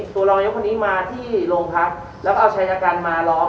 ตัวรองยกคนนี้มาที่โรงพักแล้วก็เอาชายกันมาร้อง